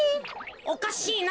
おかしいな。